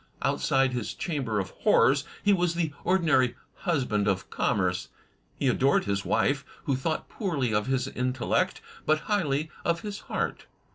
Outside his chamber of horrors he was the ordinary husband of commerce. He adored his wife, who thought poorly of his intel lect, but highly of his heart.